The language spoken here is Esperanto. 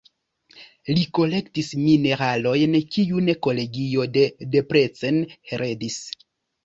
Li kolektis mineralojn, kiun kolegio de Debrecen heredis.